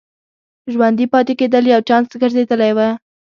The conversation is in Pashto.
ژوندي پاتې کېدل یو چانس ګرځېدلی و.